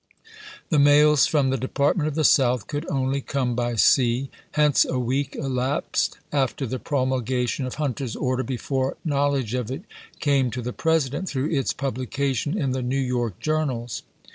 The mails from the Department of the South could only come by sea ; hence a week elapsed after the promulgation of Hunter's order before know ledge of it came to the President through its pub lication in the New York journals.